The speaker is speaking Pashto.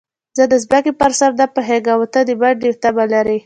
زه د ځمکې پر سر نه پوهېږم او ته د منډې تمه لرې.